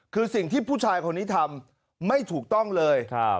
คือสิ่งที่ผู้ชายคนนี้ทำไม่ถูกต้องเลย